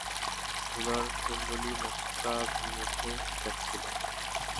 ধূলার কুণ্ডলী মক্কাভিমুখে যাচ্ছিল।